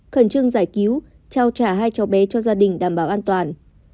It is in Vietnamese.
khẩn trương giải cứu trao trả hai cháu bé cho gia đình đảm bảo an toàn